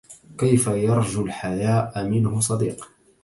كيف يرجو الحياء منه صديق